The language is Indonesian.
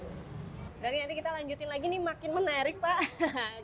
berarti nanti kita lanjutin lagi nih makin menarik pak